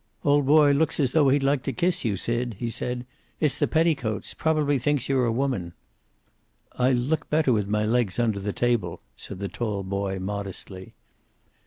"Old boy looks as though he'd like to kiss you, Sid," he said. "It's the petticoats. Probably thinks you're a woman." "I look better with my legs under the table," said the tall boy, modestly.